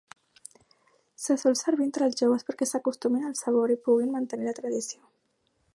Se sol servir entre els joves perquè s'acostumin al sabor i puguin mantenir la tradició.